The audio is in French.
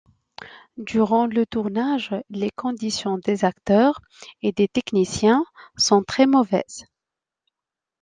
Durant le tournage, les conditions des acteurs et des techniciens sont très mauvaises.